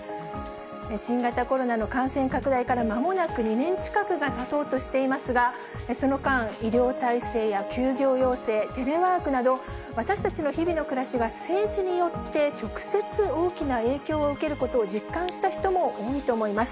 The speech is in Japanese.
新型コロナの感染拡大から、まもなく２年近くがたとうとしていますが、その間、医療体制や休業要請、テレワークなど、私たちの日々の暮らしは、政治によって直接、大きな影響を受けることを実感した人も多いと思います。